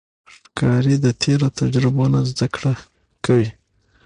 ښکاري د تیرو تجربو نه زده کړه کوي.